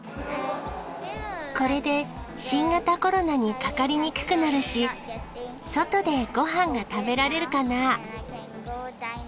これで、新型コロナにかかりにくくなるし、外でごはんが食べられるかなぁ。